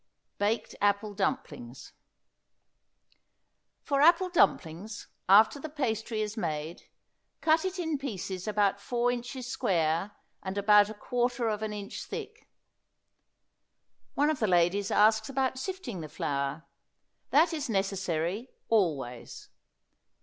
BAKED APPLE DUMPLINGS. For apple dumplings, after the pastry is made, cut it in pieces about four inches square and about a quarter of an inch thick. One of the ladies asks about sifting the flour. That is necessary, always.